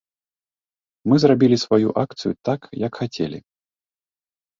Мы зрабілі сваю акцыю, так як хацелі.